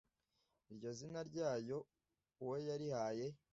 Iryo zina ryayo uwo yarihaye